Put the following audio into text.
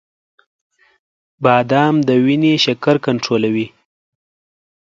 • بادام د وینې شکر کنټرولوي.